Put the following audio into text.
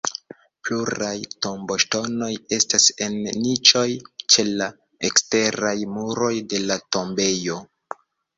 Pluraj tomboŝtonoj estas en niĉoj ĉe la eksteraj muroj de la tombejo.